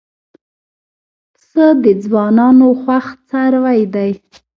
پسه د ځوانانو خوښ څاروی دی.